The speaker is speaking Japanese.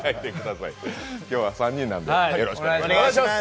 今日は３人なんでよろしくお願いします。